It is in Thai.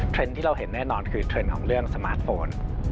ที่เราเห็นแน่นอนคือเทรนด์ของเรื่องสมาร์ทโฟน